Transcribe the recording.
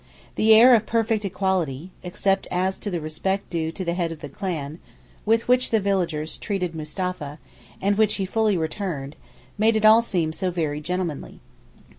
The air of perfect equality—except as to the respect due to the head of the clan—with which the villagers treated Mustapha, and which he fully returned, made it all seem so very gentlemanly.